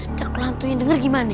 ntar kelantunya denger gimana nih